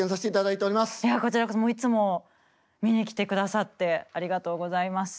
いやこちらこそいつも見に来てくださってありがとうございます。